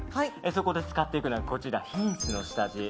そこで使っていくのはこちらヒンスの下地。